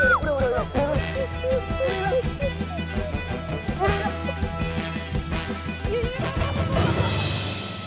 udah udah udah